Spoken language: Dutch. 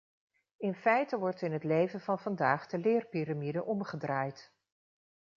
In feite wordt in het leven van vandaag de leerpiramide omgedraaid.